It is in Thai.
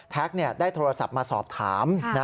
ได้โทรศัพท์มาสอบถาม